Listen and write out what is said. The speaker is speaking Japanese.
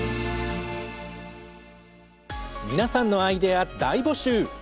皆さんのアイデア大募集！